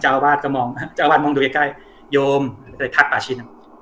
เจ้าอาวาสก็มองฮะเจ้าอาวาสมองดูใกล้ใกล้โยมใส่ทักตาชิด